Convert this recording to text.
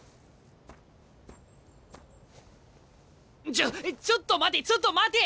ちょちょっと待てちょっと待て！